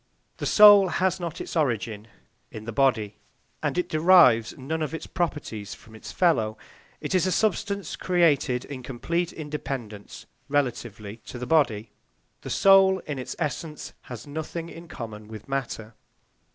The soul has not its origin in the body, and it derives none of its properties from its fellow; it is a substance created in complete independence relatively to the body; the soul, in its essence, has nothing in common with matter.